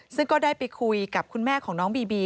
ซึ่งก็ได้ไปคุยกับคุณแม่ของน้องบีบี